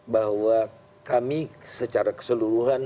bahwa kami secara keseluruhan